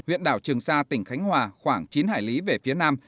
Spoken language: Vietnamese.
huyện đảo trường sa tỉnh khánh hòa khoảng chín hải lý về phía nam